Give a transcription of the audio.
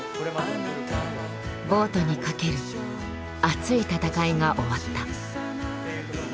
ボートにかける熱い戦いが終わった。